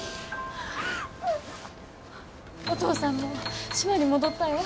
お父さんも島に戻ったよ。